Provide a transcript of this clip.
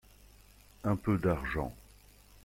Un peu d’argent.